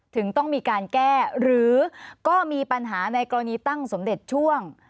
ถึงต้องมีการแก้หรือก็มีปัญหาในกรณีตั้งสมเด็จช่วง